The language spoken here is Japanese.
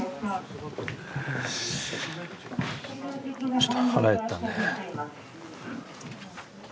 ちょっと腹減ったんでね。